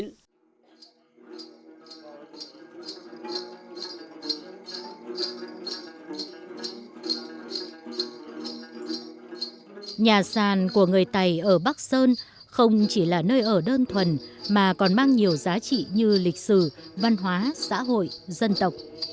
nhà sàn của người tày ở bắc sơn không chỉ là nơi ở đơn thuần mà còn mang nhiều giá trị như lịch sử văn hóa xã hội dân tộc